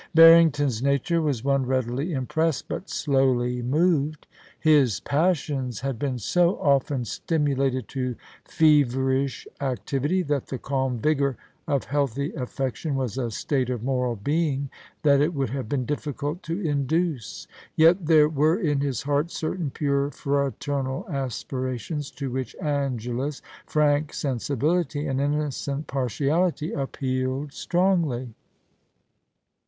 Bairington's nature was one readily impressed, but slowly moved. His passions had been so often stimulated to feverish activity that the calm vigour of healthy affection was a state of moral being that it would have been diflScult to induce ; yet there were in his heart certain pure fraternal aspirations to which Angela's frank sensibility and innocent partiality appealed strongly.